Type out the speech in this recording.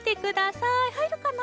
はいるかな？